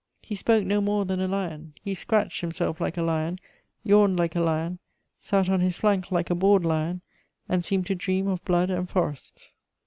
He spoke no more than a lion; he scratched himself like a lion, yawned like a lion, sat on his flank like a bored lion, and seemed to dream of blood and forests.